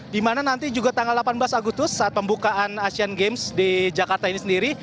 di mana nanti juga tanggal delapan belas agustus saat pembukaan asian games di jakarta ini sendiri